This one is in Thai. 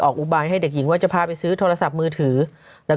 อุบายให้เด็กหญิงว่าจะพาไปซื้อโทรศัพท์มือถือ